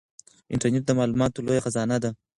انټرنیټ د معلوماتو لویه خزانه ده.